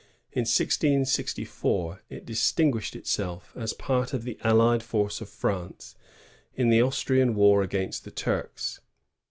In 1664 it distinguished itself, as part of the allied force of France, in the Austrian war against the Turks.